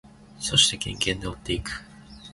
そしてケンケンで追っていく。